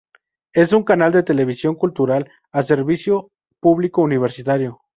Es un canal de televisión cultural a servicio público universitario.